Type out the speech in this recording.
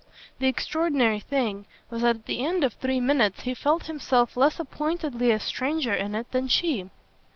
The extraordinary thing was that at the end of three minutes he felt himself less appointedly a stranger in it than she.